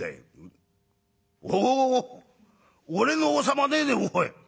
「おおお俺の王様ねえぜおい。